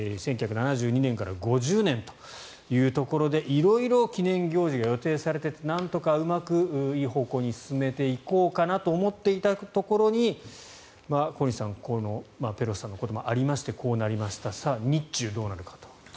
１９７２年から５０年というところで色々記念行事が予定されていてなんとかうまくいい方向に進めていこうかなと思っていたところに小西さんペロシさんのこともありましてこうなりましたさあ、日中どうなのかと。